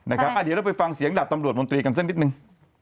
เดี๋ยวเราไปฟังเสียงดาบตำรวจมนตรีกันสักนิดนึง